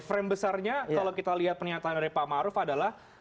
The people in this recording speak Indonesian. frame besarnya kalau kita lihat pernyataan dari pak maruf adalah